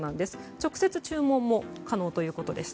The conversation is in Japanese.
直接注文も可能ということでした。